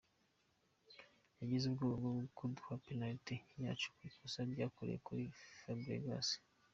Yagize ubwoba bwo kuduha penaliti yacu ku ikosa ryakorewe kuri Fabregas.